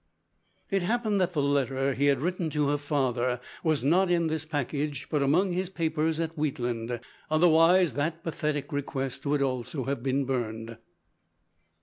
It happened that the letter he had written to her father was not in this package, but among his papers at Wheatland otherwise that pathetic request would also have been burned.